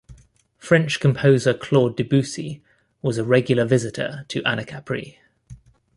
French composer Claude Debussy was a regular visitor to Anacapri.